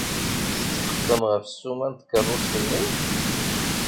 Tetḥeqqem ɣef ssuma n tkeṛṛust-nni?